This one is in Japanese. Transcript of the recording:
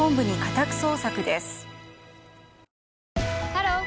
ハロー！